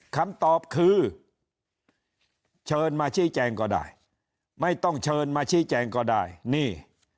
คำตอบคือเชิญมาชี้แจงก็ได้ไม่ต้องเชิญมาชี้แจงก็ได้นี่